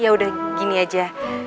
ya udah gini aja